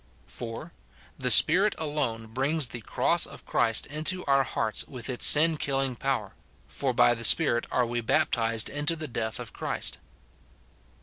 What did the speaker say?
The Spirit alone brings the cross of Christ into 26* 306 MORTIFICATION, ETC. our hearts with its sin killing power ; for by the Si^irit are we baptized jnto the death of Christ.